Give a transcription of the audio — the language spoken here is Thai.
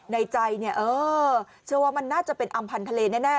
ในใจเนี่ยเออเชื่อว่ามันน่าจะเป็นอำพันธ์ทะเลแน่